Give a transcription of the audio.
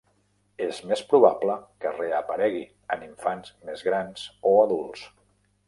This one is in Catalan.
És més probable que reaparegui en infants més grans o adults.